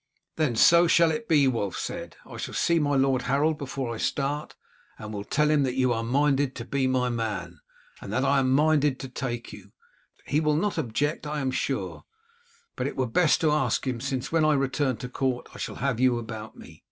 "Then so shall it be," Wulf said, "I shall see my Lord Harold before I start, and will tell him that you are minded to be my man, and that I am minded so to take you. He will not object, I am sure, but it were best to ask him, since, when I return to court, I shall have you about me."